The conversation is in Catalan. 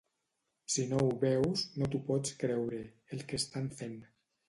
Si no ho veus, no t’ho pots creure, el que estan fent.